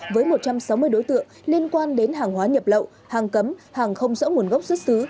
với một trăm sáu mươi đối tượng liên quan đến hàng hóa nhập lậu hàng cấm hàng không rõ nguồn gốc xuất xứ